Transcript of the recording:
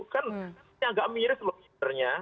kan ini agak miris loh sebenarnya